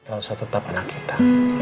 gak usah tetap anak kita